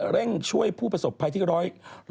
เร่งช่วยผู้ประสบภัยที่๑๐